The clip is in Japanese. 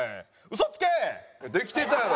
嘘つけ！